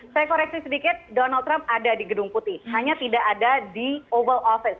saya koreksi sedikit donald trump ada di gedung putih hanya tidak ada di oval office